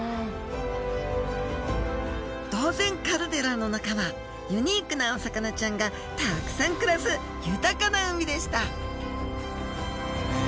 島前カルデラの中はユニークなお魚ちゃんがたくさん暮らす豊かな海でしたねえ！